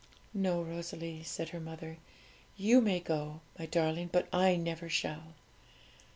'No, Rosalie,' said her mother; 'you may go, my darling, but I never shall.'